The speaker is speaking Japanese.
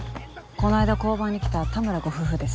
この間交番に来た田村ご夫婦です。